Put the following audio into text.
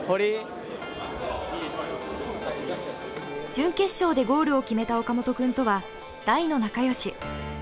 準決勝でゴールを決めた岡本君とは大の仲よし。